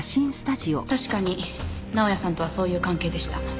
確かに直哉さんとはそういう関係でした。